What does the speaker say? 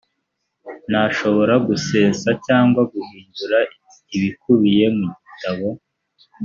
ntashobora gusesa cyangwa guhindura ibikubiye mugitabo.